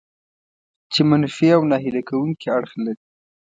چې منفي او ناهیله کوونکي اړخ لري.